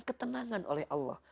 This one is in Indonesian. ketenangan oleh allah